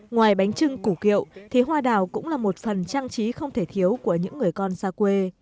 ngoài bánh trưng củ kiệu thì hoa đào cũng là một phần trang trí không thể thiếu của những người con xa quê